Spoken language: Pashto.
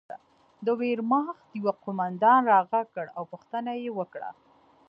د ویرماخت یوه قومندان را غږ کړ او پوښتنه یې وکړه